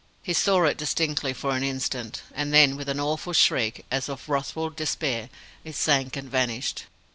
He saw it distinctly for an instant, and then, with an awful shriek, as of wrathful despair, it sank and vanished.